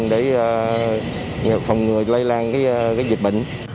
để không người lây lan dịch bệnh